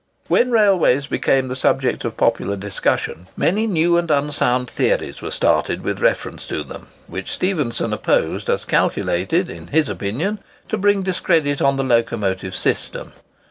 When railways became the subject of popular discussion, many new and unsound theories were started with reference to them, which Stephenson opposed as calculated, in his opinion, to bring discredit on the locomotive system.